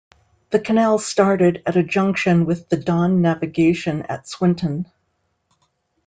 The canal started at a junction with the Don Navigation at Swinton.